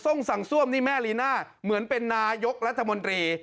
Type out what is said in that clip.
่งสั่งซ่วมนี่แม่ลีน่าเหมือนเป็นนายกรัฐมนตรี